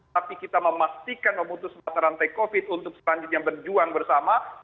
tapi kita memastikan memutus mata rantai covid untuk selanjutnya berjuang bersama